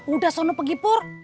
udah sono pegipur